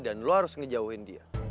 dan lo harus ngejauhin dia